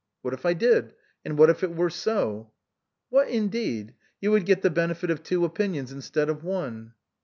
" What if I did ? And what if it were so ?" "What indeed? You would get the benefit of two opinions instead of one."